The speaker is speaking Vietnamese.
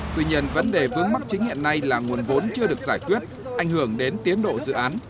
tuy nhiên vấn đề vướng mắt chính hiện nay là nguồn vốn chưa được giải quyết ảnh hưởng đến tiến độ dự án